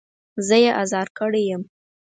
زه يې ازار کړی يم.